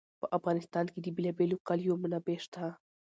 په افغانستان کې د بېلابېلو کلیو منابع شته.